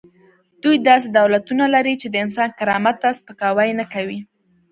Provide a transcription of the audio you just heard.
دوی داسې دولتونه لري چې د انسان کرامت ته سپکاوی نه کوي.